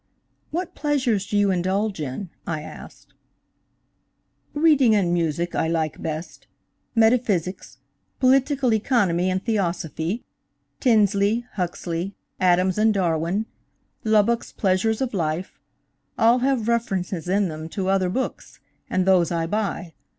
"What pleasures do you indulge in?" I asked. "Reading and music I like best; metaphysics, political economy and theosophy. Tinsley, Huxley, Adams and Darwin, Lubbock's 'Pleasures of Life,' all have references in them to other books; and those I buy.